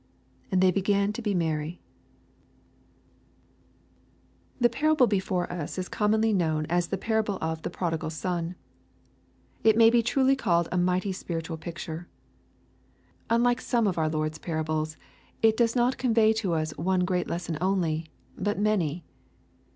And they began to be menj LUKE, CHAP. XV. If 1 The parable before us is commonly known as the i)ar ^ able of "the prodigal son." It may be tiuly called a mighty spiritual picture. Unlike some of our Lord's par ables, it does not convey to us one great lesson only, but many.